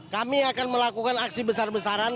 kami akan melakukan aksi besar besaran